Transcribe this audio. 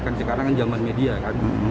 kan sekarang kan zaman media kan